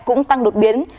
cũng tăng đột biến